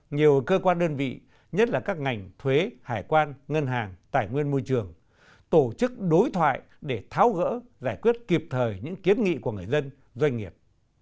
nhiều cơ quan đơn vị nhất là các ngành thuế hải quan ngân hàng tài nguyên môi trường tổ chức đối thoại để tháo gỡ giải quyết kịp thời những kiến nghị của người dân doanh nghiệp